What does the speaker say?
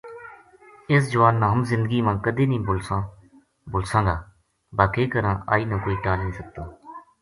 اس جوان نا ہم زندگی ما کَدے نیہہ بھُلساں گا با کے کراں آئی نا کوئی ٹال نیہہ سکتو